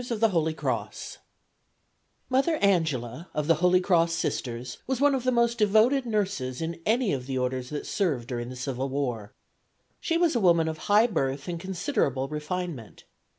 Mother Angela, of the Holy Cross Sisters, was one of the most devoted nurses in any of the orders that served during the civil war. She was a woman of high birth and considerable refinement.